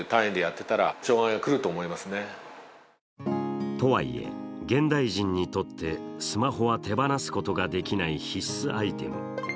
更にとはいえ現代人にとってスマホは手放すことができない必須アイテム。